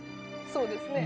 そうですね。